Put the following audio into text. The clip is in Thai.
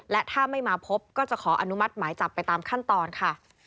และถ้าไม่มาพบก็จะขออนุมัติหมายจับไปตามขั้นตอนค่ะ